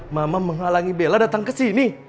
mama menghalangi bella datang kesini